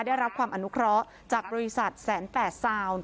ได้รับความอนุเคราะห์จากบริษัทแสนแฝดซาวน์